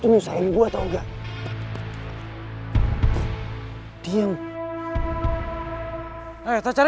ini saya mau coba hubungin tommy lagi ya tante